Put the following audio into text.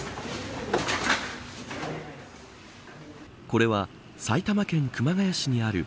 これは埼玉県熊谷市にある